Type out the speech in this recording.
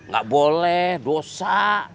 gak boleh dosa